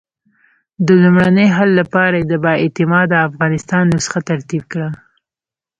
د لومړني حل لپاره یې د با اعتماده افغانستان نسخه ترتیب کړه.